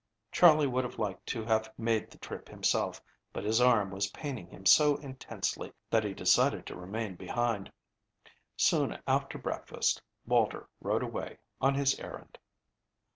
Charley would have liked to have made the trip himself, but his arm was paining him so intensely that he decided to remain behind. Soon after breakfast Walter rode away on his errand.